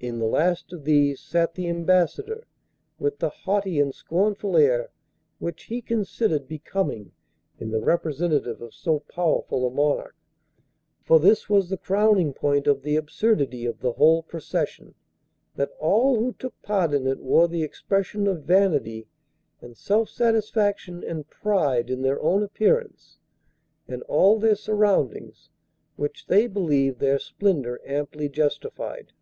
In the last of these sat the Ambassador with the haughty and scornful air which he considered becoming in the representative of so powerful a monarch: for this was the crowning point of the absurdity of the whole procession, that all who took part in it wore the expression of vanity and self satisfaction and pride in their own appearance and all their surroundings which they believed their splendour amply justified.